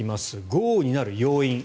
豪雨になる要因